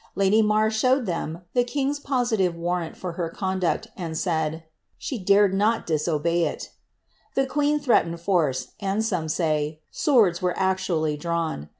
Lady Man showed ihem the king'tt poahrve «nrtiat for her conduci, and said, "she dared ooi dbobey iL" *nieqBeea llireatened force, and some say, swords were adnaUy drawn.